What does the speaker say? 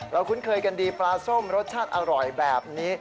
คุ้นเคยกันดีปลาส้มรสชาติอร่อยแบบนี้